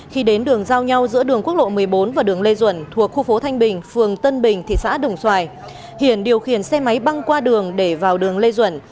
khi đến đường giao nhau giữa đường quốc lộ một mươi bốn và đường lê duẩn thuộc khu phố thanh bình phường tân bình thị xã đồng xoài hiển điều khiển xe máy băng qua đường để vào đường lê duẩn